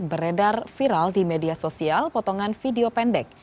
beredar viral di media sosial potongan video pendek